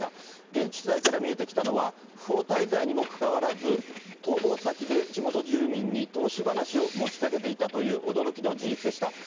現地取材から見えてきたのは、不法滞在にもかかわらず、逃亡先で地元住民に投資話を持ちかけていたという驚きの事実でした。